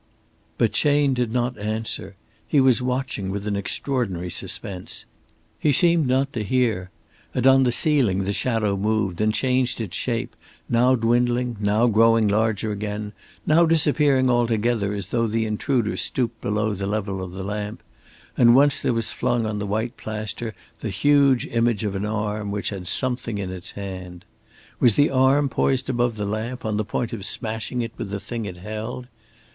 But Chayne did not answer. He was watching with an extraordinary suspense. He seemed not to hear. And on the ceiling the shadow moved, and changed its shape, now dwindling, now growing larger again, now disappearing altogether as though the intruder stooped below the level of the lamp; and once there was flung on the white plaster the huge image of an arm which had something in its hand. Was the arm poised above the lamp, on the point of smashing it with the thing it held?